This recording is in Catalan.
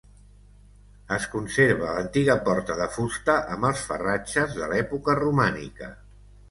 Es conserva l'antiga porta de fusta amb els farratges de l'època romànica.